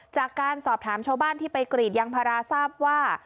จากการสอบถามชาวบ้านที่ไปกรีดยางพาราทราบว่า